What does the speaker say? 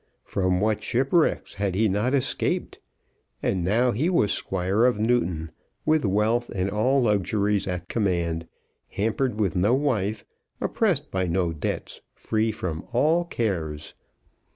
From what shipwrecks had he not escaped! And now he was Squire of Newton, with wealth and all luxuries at command, hampered with no wife, oppressed by no debts, free from all cares.